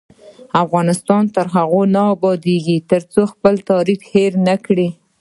افغانستان تر هغو نه ابادیږي، ترڅو خپل تاریخ هیر نکړو.